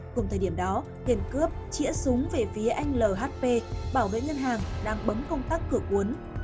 cùng thời điểm đó tiền cướp chỉa súng về phía anh lhp bảo vệ ngân hàng đang bấm công tắc cửa cuốn